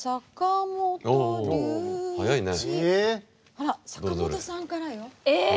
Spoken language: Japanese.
あらっ坂本さんからよ。え！？